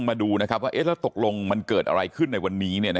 มาดูนะครับว่าเอ๊ะแล้วตกลงมันเกิดอะไรขึ้นในวันนี้นะ